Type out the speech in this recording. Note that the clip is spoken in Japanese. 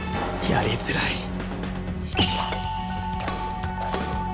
やりづらい！